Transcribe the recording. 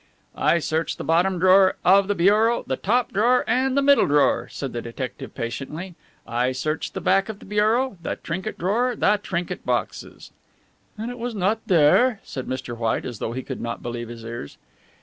"I searched the bottom drawer of the bureau, the top drawer and the middle drawer," said the detective patiently. "I searched the back of the bureau, the trinket drawer, the trinket boxes " "And it was not there?" said Mr. White, as though he could not believe his ears.